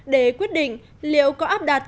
để quyết định liệu có áp đạt